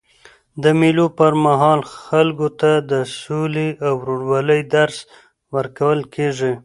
د مېلو پر مهال خلکو ته د سولي او ورورولۍ درس ورکول کېږي.